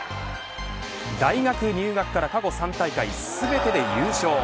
大学入学から過去３大会全てで優勝。